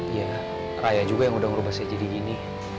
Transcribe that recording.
iya raya juga yang udah ngerubah saya jadi gini